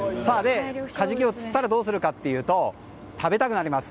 カジキを釣ったらどうするかというと食べたくなります。